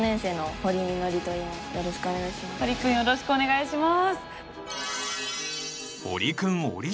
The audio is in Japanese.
堀くんよろしくお願いします。